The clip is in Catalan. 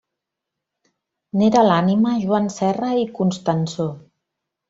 N’era l’ànima Joan Serra i Constansó.